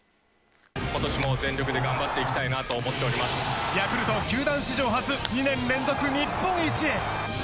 今年も全力で頑張っていきたいなとヤクルト球団史上初２年連続日本一へ。